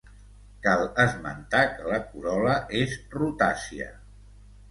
Cal esmentar que la corol·la és rotàcia.